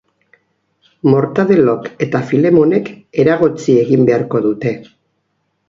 Mortadelok eta Filemonek eragotzi egin beharko dute.